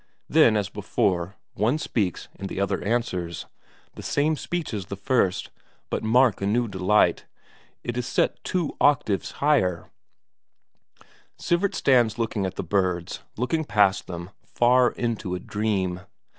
Then, as before, one speaks and the other answers; the same speech as at first, but mark a new delight: it is set two octaves higher! Sivert stands looking at the birds, looking past them, far into a dream.